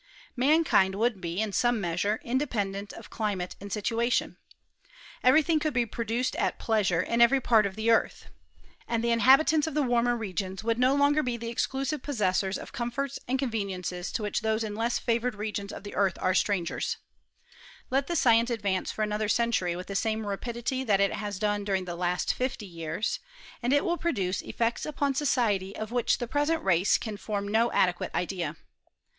Man kind would be, in «ome measure, independent of cli mate and situation t every thing could be produced at pleasure in every part of the earth; and the in habitants of the warmer regions would no longer be the exclusive possessors of comforts and conveni ences to which those in less fiaivoured regions of the 318 mSTORY OF CHEMISTRY. earth are strangers, Let the science advance fof another century with the same rapidity that it has done during the last fifty years, and it will produce efTects upon society of which the present race can form no adequate idea.